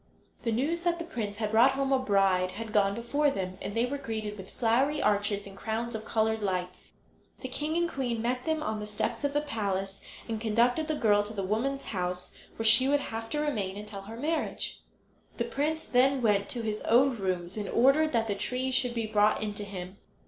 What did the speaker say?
The news that the prince had brought home a bride had gone before them, and they were greeted with flowery arches and crowns of coloured lights. The king and queen met them on the steps of the palace, and conducted the girl to the women's house, where she would have to remain until her marriage. The prince then went to his own rooms and ordered that the trees should be brought in to him.